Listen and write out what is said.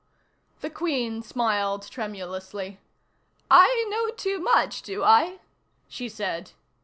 The Queen smiled tremulously. "I know too much, do I?" she said.